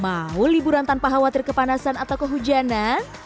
mau liburan tanpa khawatir kepanasan atau kehujanan